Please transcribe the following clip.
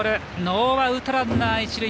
ノーアウトランナーは一塁。